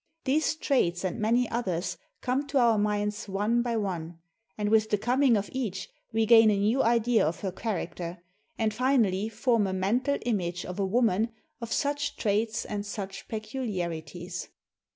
These traits and many others come to our minds one by one ; and with the coming of each we gain a new idea of her character, and finally form a mental image of a woman of such traits and such peculiarities.